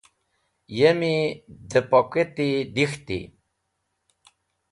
Yemi dẽ pokati dek̃hti.